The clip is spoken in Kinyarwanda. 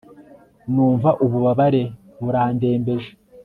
numva ububabare burandembeje